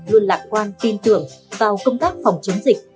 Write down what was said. luôn lạc quan tin tưởng vào công tác phòng chống dịch